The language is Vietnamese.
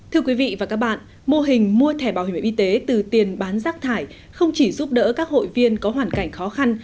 thưa quý vị và các bạn mô hình mua thẻ bảo hiểm y tế từ tiền bán rác thải không chỉ giúp đỡ các hội viên có hoàn cảnh khó khăn